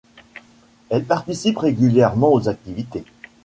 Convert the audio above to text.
Elle participe régulièrement aux activités.